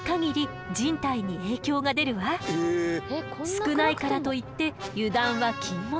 少ないからといって油断は禁物。